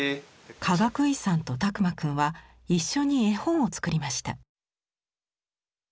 かがくいさんと拓万くんは一緒に絵本を作りました。